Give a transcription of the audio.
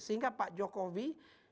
sehingga pak jokowi